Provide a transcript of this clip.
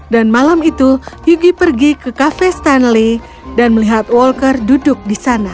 dan malam itu hyogi pergi ke cafe stanley dan melihat walker duduk di sana